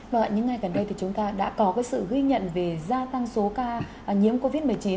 vậy nhưng ngay gần đây thì chúng ta đã có cái sự ghi nhận về gia tăng số ca nhiễm covid một mươi chín